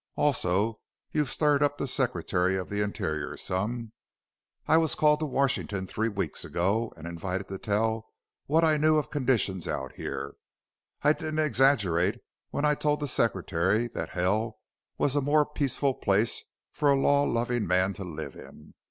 Also, you've stirred up the Secretary of the Interior some. I was called to Washington three weeks ago and invited to tell what I knew of conditions out here. I didn't exaggerate when I told the Secretary that hell was a more peaceful place for a law loving man to live in.